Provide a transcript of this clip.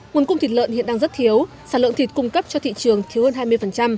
nguồn cung thịt lợn hiện đang rất thiếu sản lượng thịt cung cấp cho thị trường thiếu hơn hai mươi